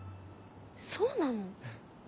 そうなの？